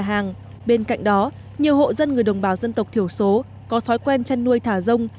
hàng bên cạnh đó nhiều hộ dân người đồng bào dân tộc thiểu số có thói quen chăn nuôi thả rông